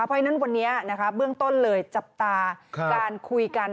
เพราะฉะนั้นวันนี้เบื้องต้นเลยจับตาการคุยกัน